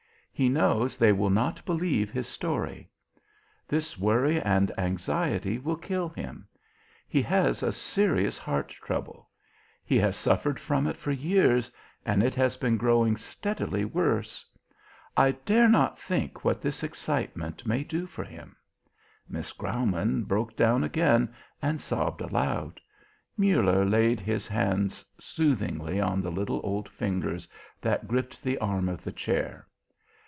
He knows they will not believe his story. This worry and anxiety will kill him. He has a serious heart trouble; he has suffered from it for years, and it has been growing steadily worse. I dare not think what this excitement may do for him." Miss Graumann broke down again and sobbed aloud. Muller laid his hands soothingly on the little old fingers that gripped the arm of the chair.